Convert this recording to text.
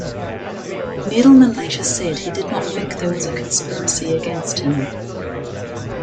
Needleman later said he did not think there was a conspiracy against him.